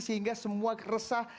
sehingga semua resah